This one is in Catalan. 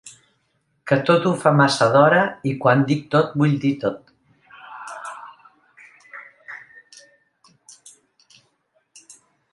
Que tot ho fa massa d'hora, i quan dic tot vull dir tot.